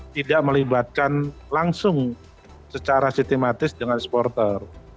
tidak melibatkan langsung secara sistematis dengan supporter